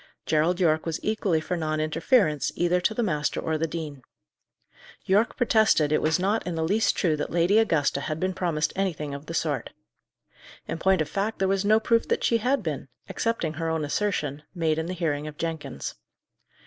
Gerald Yorke was equally for non interference, either to the master or the dean. Yorke protested it was not in the least true that Lady Augusta had been promised anything of the sort. In point of fact, there was no proof that she had been, excepting her own assertion, made in the hearing of Jenkins.